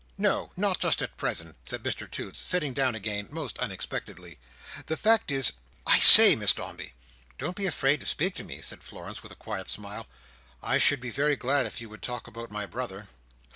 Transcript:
No, not just at present," said Mr Toots, sitting down again, most unexpectedly. "The fact is—I say, Miss Dombey!" "Don't be afraid to speak to me," said Florence, with a quiet smile, "I should be very glad if you would talk about my brother."